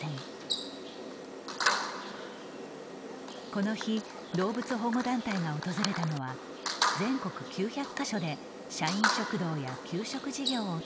この日動物保護団体が訪れたのは全国９００か所で社員食堂や給食事業を展開する企業。